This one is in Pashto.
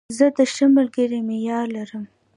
زه د ښه ملګري معیار لرم.